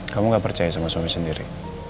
kamu gak percaya sama suami sendiri